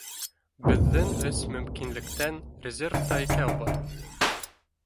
Беҙҙең өс мөмкинлектән резервта икәү бар